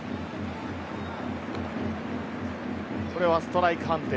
これはストライク判定。